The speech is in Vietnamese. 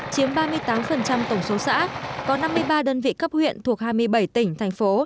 chiếm ba mươi tám tổng số xã có năm mươi ba đơn vị cấp huyện thuộc hai mươi bảy tỉnh thành phố